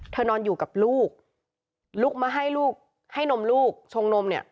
นอนอยู่กับลูกลุกมาให้ลูกให้นมลูกชงนมเนี่ย